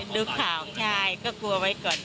ดูข่าวใช่ก็กลัวไว้ก่อน